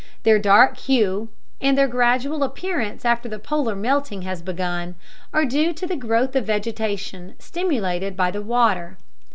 Their dark hue, and their gradual appearance after the polar melting has begun, are due to the growth of vegetation stimulated by the water.